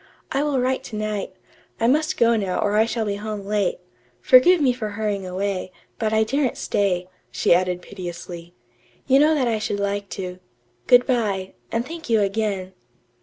"I will write to night. I must go now or I shall be home late. Forgive me for hurrying away, but I daren't stay," she added piteously. "You know that I should like to. Good bye, and thank you again."